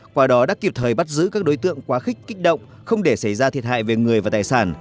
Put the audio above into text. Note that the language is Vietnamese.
qua đó đã kịp thời bắt giữ các đối tượng quá khích kích động không để xảy ra thiệt hại về người và tài sản